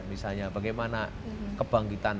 misalnya bagaimana kebangkitan